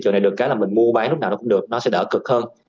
thị trường này được cái là mình mua bán lúc nào nó cũng được nó sẽ đỡ cực hơn